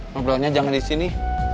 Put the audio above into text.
ngobrolnya jangan disini